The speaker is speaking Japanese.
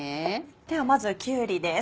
ではまずきゅうりです